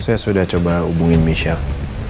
saya sudah coba hubungin michelle